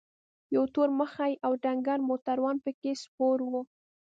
یو تور مخی او ډنګر موټروان پکې سپور و.